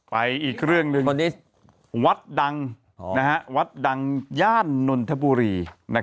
อีกเรื่องหนึ่งวัดดังวัดดังย่านนทบุรี